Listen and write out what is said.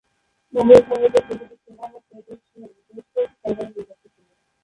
মুঘল সাম্রাজ্যের প্রতিটি সুবাহ বা প্রদেশ বেশ কয়েকটি সরকারে বিভক্ত ছিল।